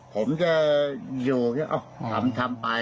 ผมจะอยู่อ้าวทำทำไป